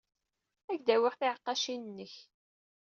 Ad ak-d-awyeɣ tiɛeqqacin-nnek.